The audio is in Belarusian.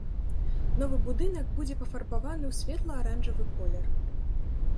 Новы будынак будзе пафарбаваны ў светла-аранжавы колер.